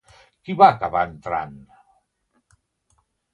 Qui va acabar entrant?